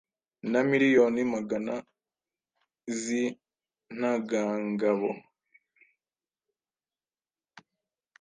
na miliyoni magana z’intangangabo.